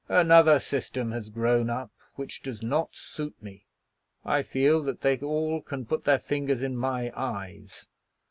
Another system has grown up which does not suit me. I feel that they all can put their fingers in my eyes.